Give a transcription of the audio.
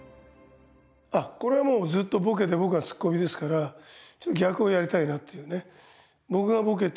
あっこれはもうずっとボケて僕がツッコミですからちょっと逆をやりたいなっていうね。